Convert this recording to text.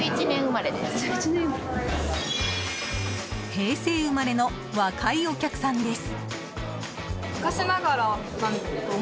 平成生まれの若いお客さんです。